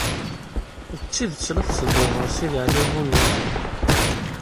D tidet la tetteddud ɣer Sidi Ɛli Bunab?